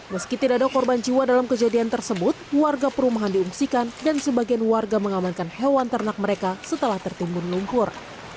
meski tidak ada korban jiwa dalam kejadian tersebut warga perumahan diungsikan dan sebagian warga mengamankan hewan ternak mereka setelah tertimbun lumpur